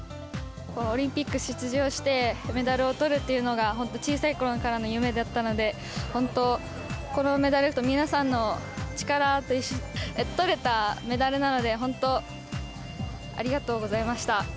このオリンピック出場して、メダルをとるっていうのが本当、小さいころからの夢だったので、本当、このメダル、皆さんの力でとれたメダルなので、本当、ありがとうございました。